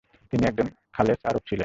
তিনি একজন খালেছ আরব ছিলেন।